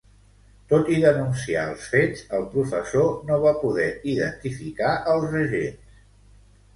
Tot i denunciar els fets, el professor no va poder identificar els agents.